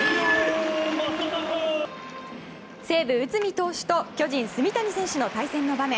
西武、内海投手と巨人、炭谷選手の対戦の場面。